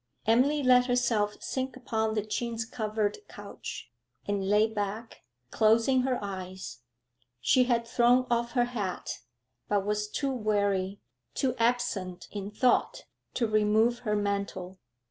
Emily let herself sink upon the chintz covered couch, and lay back, closing her eyes; she had thrown off her hat, but was too weary, too absent in thought, to remove her mantle.